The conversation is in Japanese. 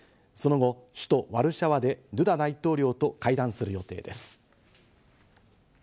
その後、首都ワルシャワでドゥダ大統領と会談する予定です。